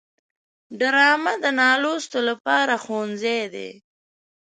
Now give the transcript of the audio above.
ډرامه د نالوستو لپاره ښوونځی دی